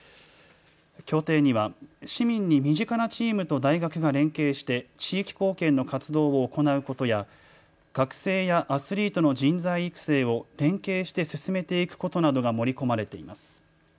協定には市民に身近なチームと大学が連携して地域貢献の活動を行うことや、学生やアスリートの人材育成を連携して進めていくことなどが盛り込まれています。